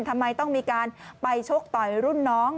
ทำไมต้องมีการไปชกต่อยรุ่นน้อง